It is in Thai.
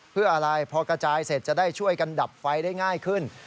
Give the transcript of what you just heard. เพื่ออะไรพอกระจายเสร็จจะได้ช่วยกันดับไฟได้ง่ายขึ้น